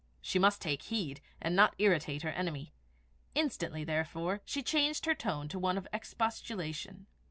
She must take heed, and not irritate her enemy. Instantly, therefore, she changed her tone to one of expostulation.